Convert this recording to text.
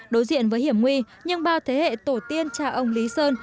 đối diện với hiểm nguy nhưng bao thế hệ tổ tiên cha ông lý sơn